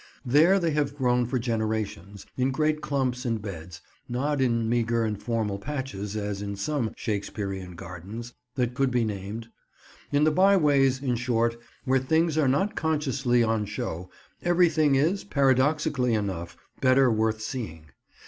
There they have grown for generations, in great clumps and beds; not in meagre and formal patches, as in some "Shakespearean gardens" that could be named. In the byways, in short, where things are not consciously on show, everything is, paradoxically enough, better worth seeing.